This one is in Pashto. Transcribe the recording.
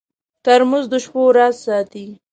ترموز د شپو راز ساتي.